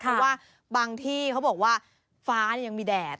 เพราะว่าบางที่เขาบอกว่าฟ้ายังมีแดด